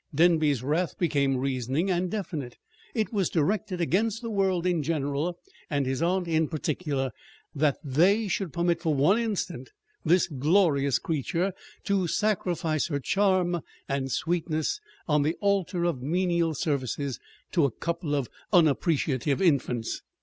Denby's wrath became reasoning and definite. It was directed against the world in general, and his aunt in particular, that they should permit for one instant this glorious creature to sacrifice her charm and sweetness on the altar of menial services to a couple of unappreciative infants.